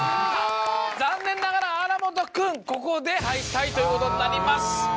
残念ながら荒本君ここで敗退ということになります。